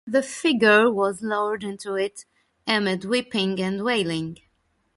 The figure was lowered into it amid weeping and wailing.